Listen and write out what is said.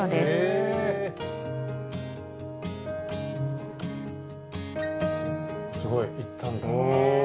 すごい行ったんだ。